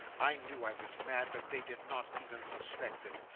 I knew I was mad, but they did not even suspect it.